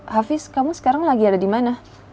hafiz kamu sekarang lagi ada di mana